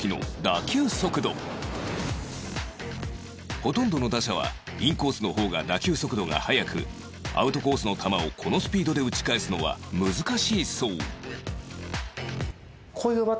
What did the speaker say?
ほとんどの打者はインコースの方が打球速度が速くアウトコースの球をこのスピードで打ち返すのは難しいそう